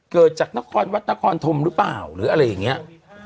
เกิดจากนครวัดนครธมหรือเปล่าหรืออะไรอย่างนี้